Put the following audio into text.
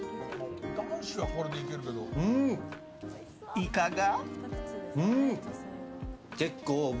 いかが？